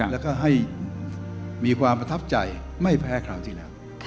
แล้วก็ให้มีความประทับใจไม่แพ้คราวที่แล้ว